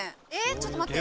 ちょっと待って。